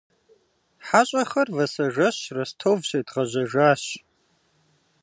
Хьэщӏэхэр вэсэжэщ Ростов щедгъэжьэжащ.